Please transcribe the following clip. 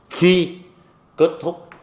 khi kết thúc